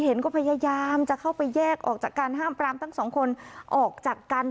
เห็นก็พยายามจะเข้าไปแยกออกจากการห้ามปรามทั้งสองคนออกจากกัน